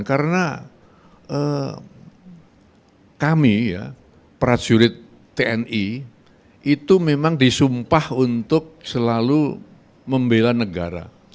karena kami ya prajurit tni itu memang disumpah untuk selalu membela negara